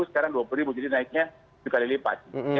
sekarang dua puluh jadi naiknya satu kali lipat